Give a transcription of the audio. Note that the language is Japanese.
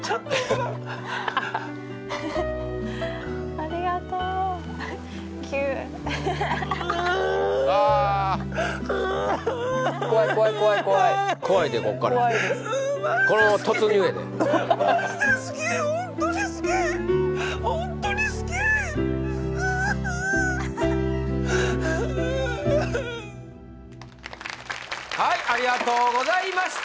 ありがとうはいありがとうございました！